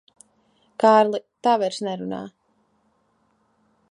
Kārli, tā vairs nerunā.